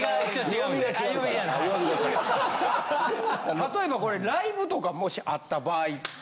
例えばこれライブとかもしあった場合って。